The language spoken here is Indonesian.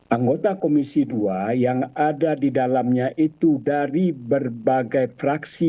anggota komisi dua yang ada di dalamnya itu dari berbagai fraksi